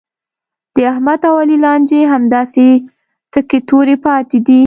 د احمد او علي لانجې همداسې تکې تورې پاتې دي.